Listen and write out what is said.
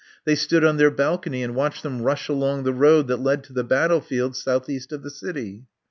They stood on their balcony and watched them rush along the road that led to the battlefields southeast of the city.